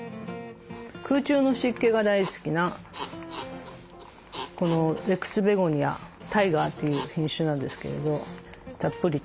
空中の湿気が大好きなこのレックスベゴニア・タイガーという品種なんですけれど。